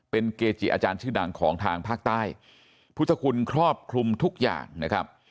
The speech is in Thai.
เป็นเกจิอาจารย์ชื่อดังของทางภาคใต้พุทธคุณครอบคลุมทุกอย่างนะครับ